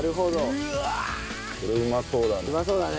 うまそうだね。